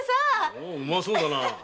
ほおうまそうだな。